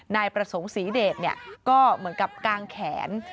นายประสงค์ศรีเดชก็เหมือนกับกางแขน